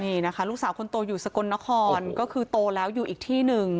นี่นะคะลูกสาวคนโตอยู่สกลนครก็คือโตแล้วอยู่อีกที่หนึ่ง